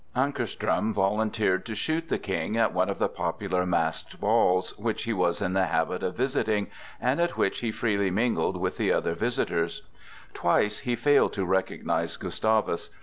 Ankarström volunteered to shoot the King at one of the popular masked balls, which he was in the habit of visiting, and at which he freely mingled with the other visitors. Twice he failed to recognize Gustavus.